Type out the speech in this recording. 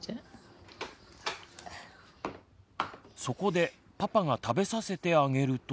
そこでパパが食べさせてあげると。